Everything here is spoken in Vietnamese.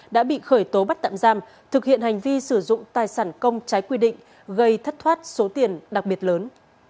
đã bị khởi tố bắt tạm giam thực hiện hành vi sử dụng tài sản công trái quy định gây thất thoát số tiền đặc biệt lớn